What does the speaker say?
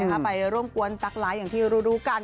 ไปร่วมกวนตั๊กไลฟ์อย่างที่รู้กัน